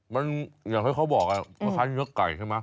มันอย่างที่เขาบอกมันคล้ายเนื้อไก่ใช่ไหม